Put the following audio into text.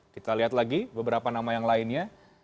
kita lihat lagi beberapa nama yang lainnya